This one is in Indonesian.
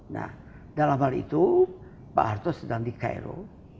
nah dalam hal itu pak harto sedang di cairo